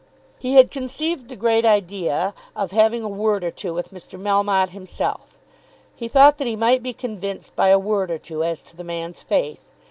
He had conceived the great idea of having a word or two with Mr. Melmotte himself. He thought that he might be convinced by a word or two as to the man's faith.